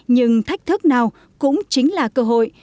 nhưng thách thức nào cũng chính là cơ hội